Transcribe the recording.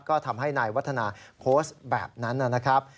ก็ทำให้นายวัฒนาโพสต์แบบนั้นนะครับ